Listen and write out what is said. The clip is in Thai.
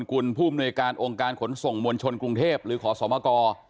คุณคุณผู้มนุยการองค์การขนส่งมวลชนกรุงเทพฯหรือขอสมกร